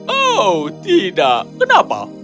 oh tidak kenapa